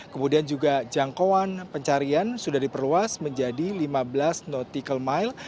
kemudian juga jangkauan pencarian sudah diperluas menjadi lima belas nautical mile